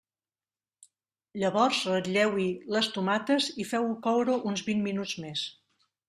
Llavors ratlleu-hi les tomates i feu-ho coure uns vint minuts més.